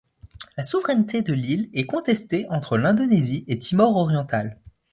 La souveraineté de l'île est contestée entre l'Indonésie et Timor oriental.